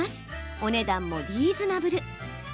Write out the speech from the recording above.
お値段もリーズナブル。